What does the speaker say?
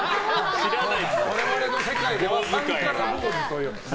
我々の世界では３から。